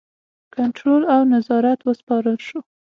کنټرول او نظارت وسپارل شو.